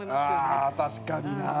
ああ確かにな。